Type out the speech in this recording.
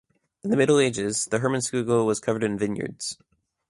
In the Middle Ages, the Hermannskogel was covered in vineyards.